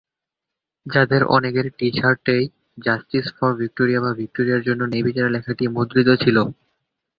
যাদের অনেকের টি-শার্টেই "জাস্টিস ফর ভিক্টোরিয়া" বা "ভিক্টোরিয়ার জন্য ন্যায়বিচার" লেখাটি মুদ্রিত ছিল।